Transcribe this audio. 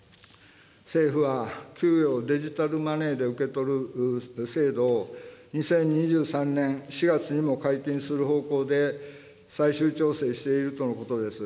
政府は給与をデジタルマネーで受け取る制度を２０２３年４月にも解禁する方向で、最終調整しているとのことです。